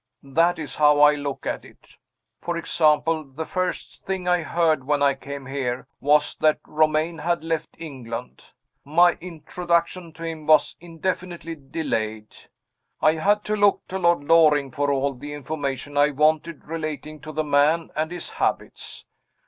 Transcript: that is how I look at it. For example, the first thing I heard, when I came here, was that Romayne had left England. My introduction to him was indefinitely delayed; I had to look to Lord Loring for all the information I wanted relating to the man and his habits.